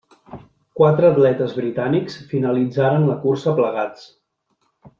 Quatre atletes britànics finalitzaren la cursa plegats.